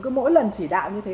cứ mỗi lần chỉ đạo như thế